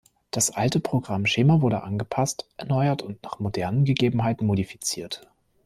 Das alte Programmschema wurde angepasst, erneuert und nach modernen Gegebenheiten modifiziert.